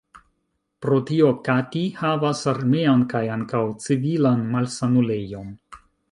Pro tio Kati havas armean kaj ankaŭ civilan malsanulejon.